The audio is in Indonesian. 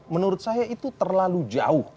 menurut saya itu terlalu jauh